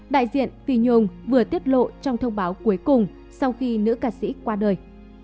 đại diện phi nhôm vừa tiết lộ trong thông báo cuối cùng sau khi nữ ca sĩ qua đời